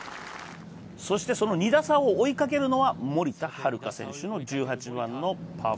そして、その２打差を追いかけるのは森田遥選手の１８番のパー５。